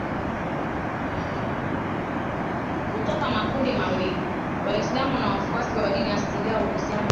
kutoka makundi mawili Waislamu na wafuasi wa dini asilia Uhusiano wa